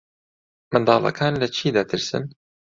منداڵەکان لە چی دەترسن؟